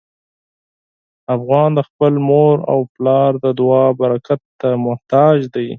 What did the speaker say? افغان د خپل مور او پلار د دعا برکت ته محتاج دی.